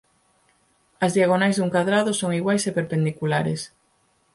As diagonais dun cadrado son iguais e perpendiculares.